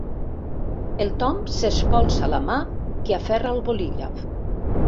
El Tom s'espolsa la mà que aferra el bolígraf.